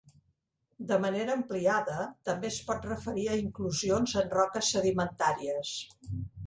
De manera ampliada, també es pot referir a inclusions en roques sedimentàries.